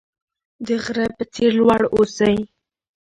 د غره په څیر لوړ اوسئ.